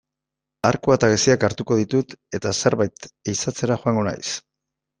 Arkua eta geziak hartuko ditut eta zerbait ehizatzera joango naiz.